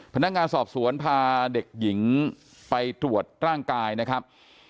พนักงานสอบสวนพาเด็กหญิงไปตรวจร่างกายนะครับ